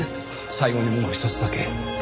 最後にもうひとつだけ。